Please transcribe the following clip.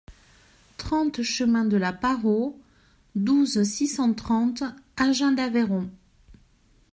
trente chemin de la Parro, douze, six cent trente, Agen-d'Aveyron